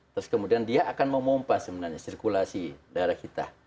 terus kemudian dia akan memompa sebenarnya sirkulasi darah kita